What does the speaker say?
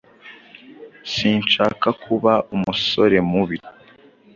Sinshaka kuba umusore mubi.